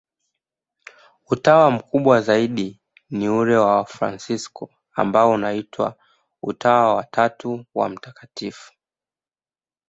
Utawa mkubwa zaidi ni ule wa Wafransisko, ambao unaitwa Utawa wa Tatu wa Mt.